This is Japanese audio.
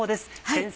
先生